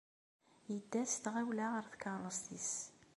Yedda s tɣawla ɣer tkeṛṛust-nnes.